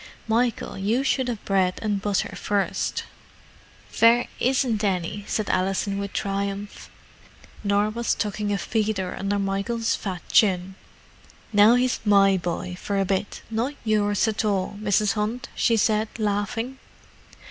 Michael, you should have bread and butter first." "Vere isn't any," said Alison with triumph. Norah was tucking a feeder under Michael's fat chin. "Now he's my boy for a bit—not yours at all, Mrs. Hunt," she said, laughing.